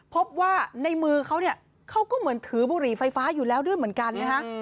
พบว่าในมือเขาเนี่ยเขาก็เหมือนถือบุหรี่ไฟฟ้าอยู่แล้วด้วยเหมือนกันนะฮะ